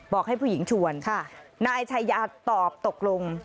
บอกให้ผู้หญิงชวนนายชายาตอบตกลง